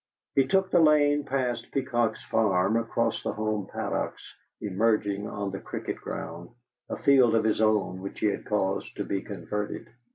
He took the lane past Peacock's farm across the home paddocks, emerging on the cricket ground, a field of his own which he had caused to be converted.